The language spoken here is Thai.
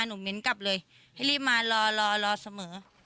เม้นกลับเลยให้รีบมารอรอเสมอ